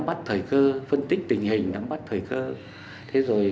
đã phát triển hoàn chỉnh đường lối